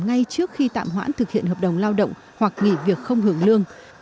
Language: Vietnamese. ngay trước khi tạm hoãn thực hiện hợp đồng lao động hoặc nghỉ việc không hưởng lương